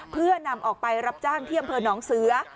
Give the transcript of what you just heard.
เพื่อนำออกไปรับจ้างที่อำเภอหนองเสือ